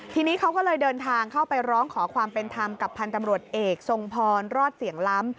ทีนี้เขาก็เลยเดินทางเข้าไปร้องขอความเป็นธรรมกับพันธ์ตำรวจเอกทรงพรรอดเสียงล้ำ